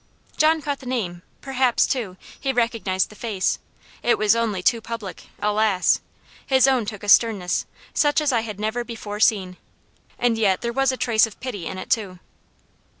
John caught the name perhaps, too, he recognized the face it was only too public, alas! His own took a sternness, such as I had never before seen, and yet there was a trace of pity in it too.